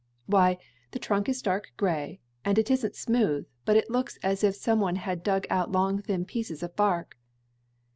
"Why, the trunk is dark gray, and it isn't smooth, but it looks as if some one had dug out long, thin pieces of bark."